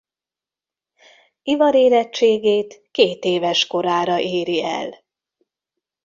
Ivarérettségét kétéves korára éri el.